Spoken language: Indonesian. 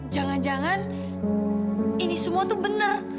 jangan jangan ini semua itu benar